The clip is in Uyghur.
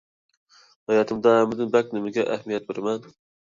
ھاياتىمدا ھەممىدىن بەك نېمىگە ئەھمىيەت بېرىمەن؟